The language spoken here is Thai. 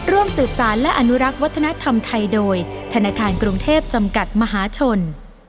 ร่วมสืบสารและอนุรักษ์วัฒนธรรมไทยโดยธนาคารกรุงเทพจำกัดมหาชน